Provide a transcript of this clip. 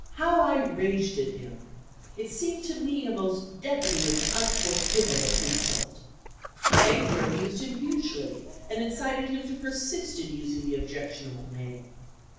How I raged at him! It seemed to me a most deadly and unforgivable insult. My anger amused him hugely and in cited him to persist in using the objectionable name.